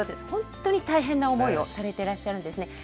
本当に大変な思いをされていらっしゃるんですね。